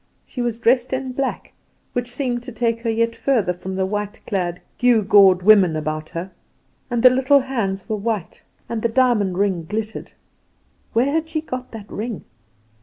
She was dressed in black, which seemed to take her yet further from the white clad, gewgawed women about her; and the little hands were white, and the diamond ring glittered. Where had she got that ring?